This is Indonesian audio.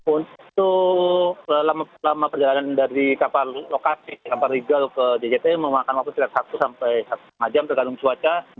untuk lama perjalanan dari kapal lokasi kapal regal ke jjt memakan waktu setengah satu sampai setengah jam tergantung cuaca